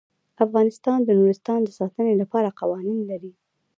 افغانستان د نورستان د ساتنې لپاره قوانین لري.